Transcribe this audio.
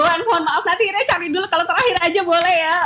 maaf nanti saya cari dulu kalau terakhir saja boleh ya